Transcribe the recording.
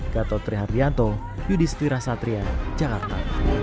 gatotri hardianto yudhistira satria jakarta